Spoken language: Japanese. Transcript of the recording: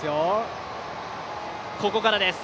ここからですよ。